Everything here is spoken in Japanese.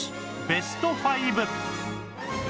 ベスト５